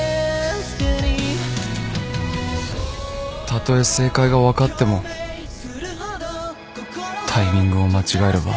たとえ正解が分かってもタイミングを間違えれば